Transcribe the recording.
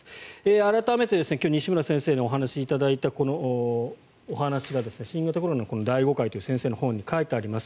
改めて今日西村先生にお話をいただいたこのお話が「新型コロナの大誤解」という先生の本に書いてあります。